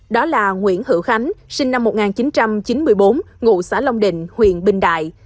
đó là nguyễn hữu khánh sinh năm một nghìn chín trăm chín mươi bốn ngụ xã long định huyện bình đại